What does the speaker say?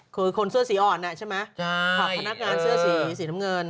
คือคนเสื้อสีอ่อนใช่ไหมผลักพนักงานเสื้อสีน้ำเงิน